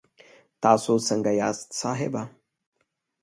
تاسو سنګه یاست صاحبه